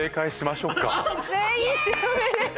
全員おめでとう。